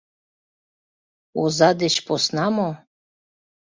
— Оза деч посна мо?..